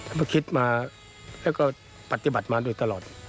มาคิดมาและก็ปฏิบัติมาโดยตลอด